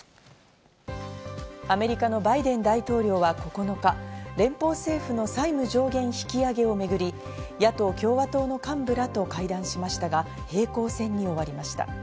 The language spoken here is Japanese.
アメリカのバイデン大統領は９日、連邦政府の債務上限引き上げをめぐり、野党・共和党の幹部らと会談しましたが、平行線に終わりました。